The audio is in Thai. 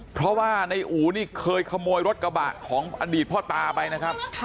เพราะว่าในอู๋นี่เคยขโมยรถกระบะของอดีตพ่อตาไปนะครับ